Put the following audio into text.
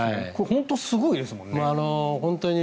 本当にすごいですもんね。